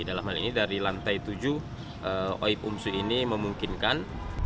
dalam hal ini dari lantai tujuh oip umsu ini memungkinkan